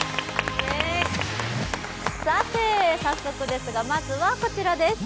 さて早速ですが、まずはこちらです。